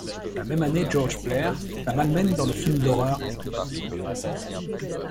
La même année, George Blair la malmène dans le film d'horreur '.